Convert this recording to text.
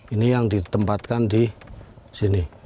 ini yang ditempatkan di sini